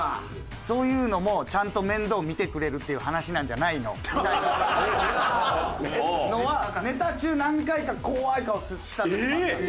そういうのもちゃんと面倒見てくれるっていう話なんじゃないの？みたいなのはネタ中何回か怖い顔した時もあったんですよ。